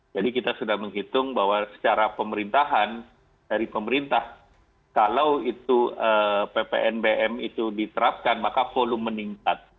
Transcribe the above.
jadi kita sudah menghitung bahwa secara pemerintahan dari pemerintah kalau itu ppnbm itu diterapkan maka volume meningkat